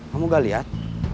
kamu gak lihat